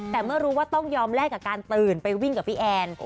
แต่เมื่อรู้ว่าต้องยอมแลกกับการตื่นไปวิ่งกับพี่แอน